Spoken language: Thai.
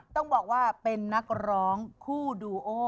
ต้องบอกว่าเป็นนักร้องคู่ดูโอ